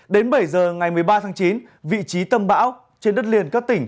đến bảy giờ ngày một mươi ba tháng chín vị trí tâm bão trên đất liền các tỉnh